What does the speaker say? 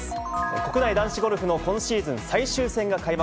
国内男子ゴルフの今シーズン最終戦が開幕。